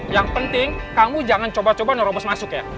yang penting kamu jangan coba coba nerobos masuk ya